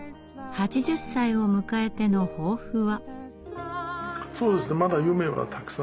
８０歳を迎えての抱負は？